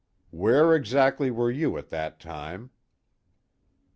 "Where exactly were you at that time?"